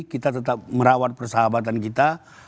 kita tetap merawat persahabatan kita